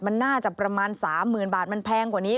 มันน่าจะประมาณ๓๐๐๐บาทมันแพงกว่านี้